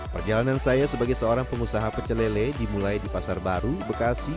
perjalanan saya sebagai seorang pengusaha pecelele dimulai di pasar baru bekasi